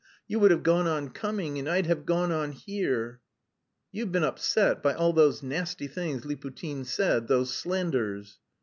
You would have gone on coming and I'd have gone on here...." "You've been upset by all those nasty things Liputin said, those slanders."